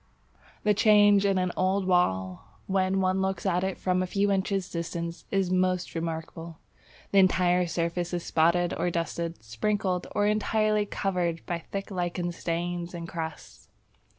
The change in an old wall when one looks at it from a few inches distance is most remarkable. The entire surface is spotted or dusted, sprinkled or entirely covered by thick lichen stains and crusts.